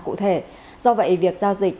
cụ thể do vậy việc giao dịch